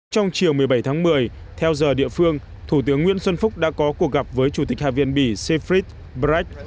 trong chiều một mươi bảy tháng một mươi theo giờ địa phương thủ tướng nguyễn xuân phúc đã có cuộc gặp với chủ tịch hạ viện bỉ sefried brecht